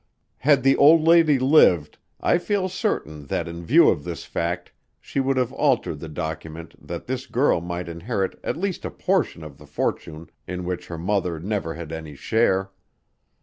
Had the old lady lived, I feel certain that in view of this fact she would have altered the document that this girl might inherit at least a portion of the fortune in which her mother never had any share.